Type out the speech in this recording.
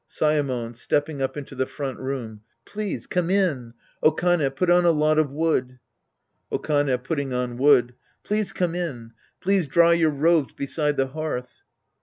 Saemon (stepping up into the front room.) Please come in. Okane, put on a lot of wood. Okane (putting on wood). Please come in. Please dry your robes beside the hearth.